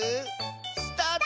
スタート！